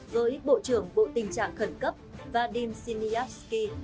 với bộ trưởng bộ tình trạng khẩn cấp vadim siniatsky